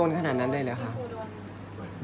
อันไหนที่มันไม่จริงแล้วอาจารย์อยากพูด